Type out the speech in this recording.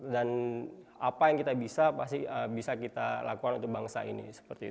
dan apa yang kita bisa pasti bisa kita lakukan untuk bangsa ini